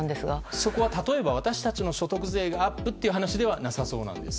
そこは、例えば私たちの所得税がアップという話ではなさそうなんです。